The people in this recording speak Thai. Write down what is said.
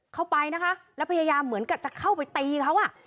เข้าไปนะคะแล้วพยายามเหมือนกับจะเข้าไปตีเขาอ่ะ